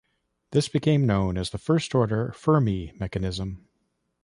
This became known as the "First Order Fermi Mechanism".